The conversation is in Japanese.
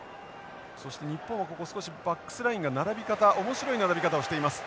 そして日本はここ少しバックスラインが並び方面白い並び方をしています。